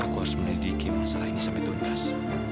aku harus mendidiki masalah ini sampai tuntas